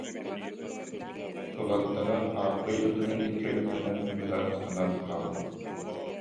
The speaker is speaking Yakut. Сулардара Ааппый ытыһын икки өттүнэн быһа ыстанан хаалбыт